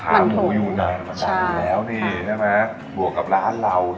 ขามูอยู่นานมากแล้วบวกกับร้านเรา